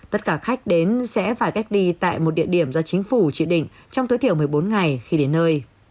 tất cả khách đến sẽ phải cách ly tại một địa điểm do chính phủ chỉ định trong tối thiểu một mươi bốn ngày khi đến nơi